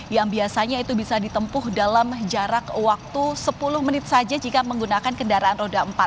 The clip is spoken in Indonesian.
yang biasanya itu bisa ditempuh dalam jarak waktu sepuluh menit saja jika menggunakan kendaraan roda empat